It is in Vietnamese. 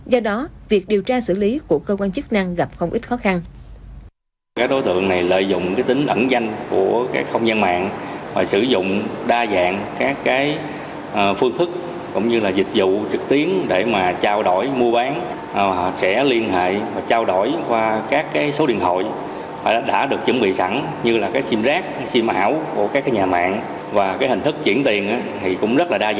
do đó việc điều tra xử lý của cơ quan chức năng gặp không ít khó khăn